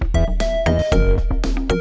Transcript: boleh aku jual